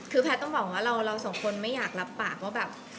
คือแพทย์ต้องบอกว่าเราสองคนไม่อยากรับปากว่าแบบ